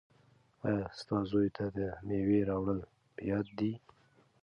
ایا ستا زوی ته د مېوې راوړل په یاد دي؟